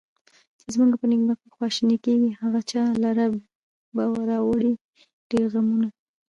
چې زمونږ په نیکمرغي خواشیني کیږي، هغه چا لره به راوړي ډېر غمونه